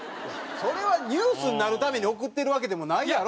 それはニュースになるために贈ってるわけでもないやろ？